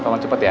tolong cepat ya